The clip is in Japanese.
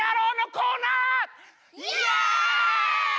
イエイ！